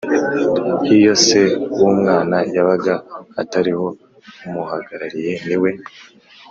Iyo se w’umwana yabaga atariho, umuhagarariye ni we